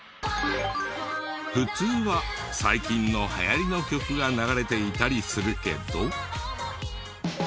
普通は最近の流行りの曲が流れていたりするけど。